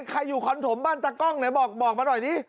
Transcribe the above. ใครอยู่คอนถมบ้านตากล้องไหนบอกมาหน่อยดิ